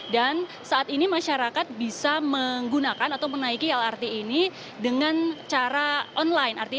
dan saat ini masyarakat bisa menggunakan atau menaiki lrt ini dengan cara online